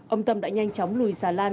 ông tâm đã nhanh chóng lùi xà lan